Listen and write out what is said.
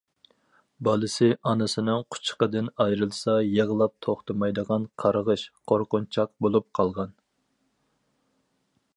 بالىسى ئانىسىنىڭ قۇچىقىدىن ئايرىلسا يىغلاپ توختىمايدىغان قارغىش، قورقۇنچاق بولۇپ قالغان.